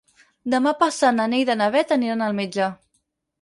Demà passat na Neida i na Bet aniran al metge.